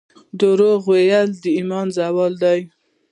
درواغ ویل د ایمان زیان دی